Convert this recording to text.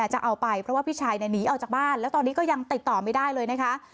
จะเอาไปเพราะว่าพี่ชายหนีออกจากบ้านแล้วตอนนี้ก็ยังติดต่อไม่ได้เลยนะคะ